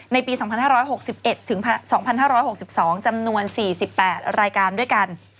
ปี๒๕๖๑ถึง๒๕๖๒จำนวน๔๘รายการด้วยกัน